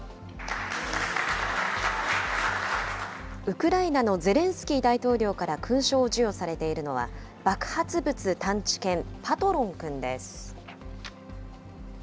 ウクライナのゼレンスキー大統領から勲章を授与されているのは、爆発物探知犬、パトロンくんです。